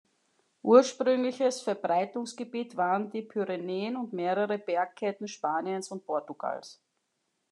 Ursprüngliches Verbreitungsgebiet waren die Pyrenäen und mehrere Bergketten Spaniens und Portugals.